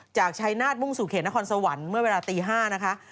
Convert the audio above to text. ชายนาฏมุ่งสู่เขตนครสวรรค์เมื่อเวลาตี๕นะคะ